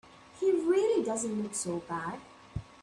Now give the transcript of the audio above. He really doesn't look so bad.